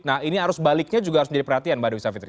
nah ini arus baliknya juga harus menjadi perhatian mbak dewi savitri